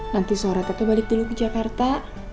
nanti sore atau balik dulu ke jakarta